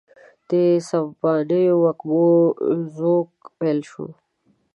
د سبانیو وږمو ږوږ پیل شو